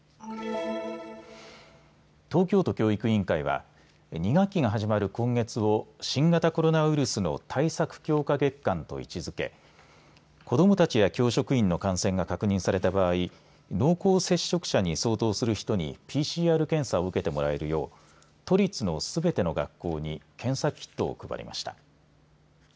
東京都教育委員会は２学期が始まる今月を新型コロナウイルスの対策強化月間と位置づけ子どもたちや教職員の感染が確認された場合、濃厚接触者に相当する人にＰＣＲ検査を受けてもらえるよう都立のすべての学校に検査キットを配りました。